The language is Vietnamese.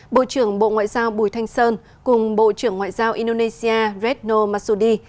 bộ trưởng bộ ngoại giao bùi thanh sơn cùng bộ trưởng ngoại giao indonesia retno masudi